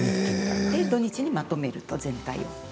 で、土日にまとめると、全体を。